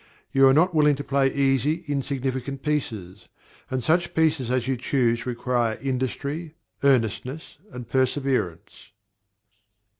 You are not willing to play easy, insignificant pieces; and such pieces as you choose require industry, earnestness, and perseverance.